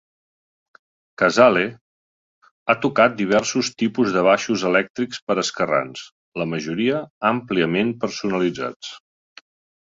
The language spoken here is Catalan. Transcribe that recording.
Casale ha tocat diversos tipus de baixos elèctrics per a esquerrans, la majoria àmpliament personalitzats.